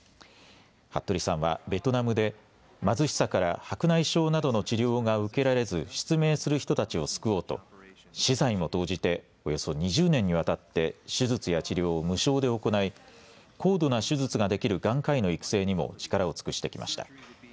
服部さんはベトナムで貧しさから白内障などの治療が受けられず失明する人たちを救おうと私財も投じておよそ２０年にわたって手術や治療を無償で行い高度な手術ができる眼科医の育成にも力を尽くしてきました。